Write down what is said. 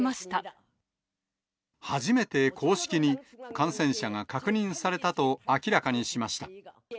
初めて公式に、感染者が確認されたと明らかにしました。